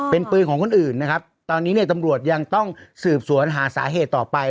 เป็นปืนของคนอื่นนะครับตอนนี้เนี่ยตำรวจยังต้องสืบสวนหาสาเหตุต่อไป